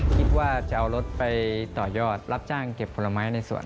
คิดว่าจะเอารถไปต่อยอดรับจ้างเก็บผลไม้ในสวน